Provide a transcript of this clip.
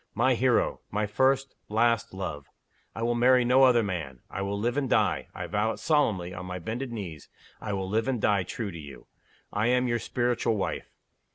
My hero! my first, last, love! I will marry no other man. I will live and die I vow it solemnly on my bended knees I will live and die true to You. I am your Spiritual Wife.